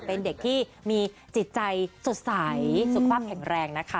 เป็นเด็กที่มีจิตใจสดใสสุขภาพแข็งแรงนะคะ